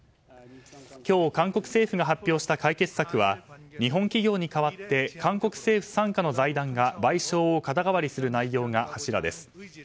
今日、韓国政府が発表した解決策は日本企業に代わって韓国政府傘下の財団が賠償を肩代わりする内容が柱です。